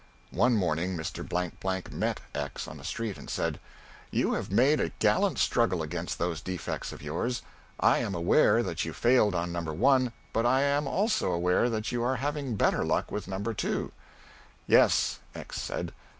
One morning Mr. Blank Blank met X on the street and said, "You have made a gallant struggle against those defects of yours. I am aware that you failed on No. 1, but I am also aware that you are having better luck with No. 2." "Yes," X said; "No.